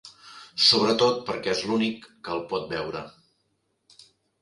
Sobretot perquè és l'únic que el pot veure.